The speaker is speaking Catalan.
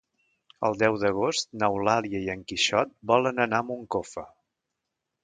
El deu d'agost n'Eulàlia i en Quixot volen anar a Moncofa.